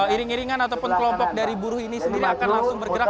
iring iringan ataupun kelompok dari buruh ini sendiri akan langsung bergerak